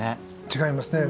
違いますね。